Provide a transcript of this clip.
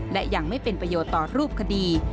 และยังไม่เป็นประโยชน์ต่อรูปคดี